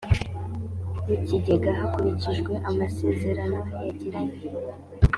w ikigega hakurikijwe amasezerano yagiranye